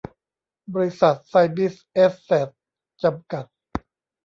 บริษัท ไซมิส แอสเสท จำกัด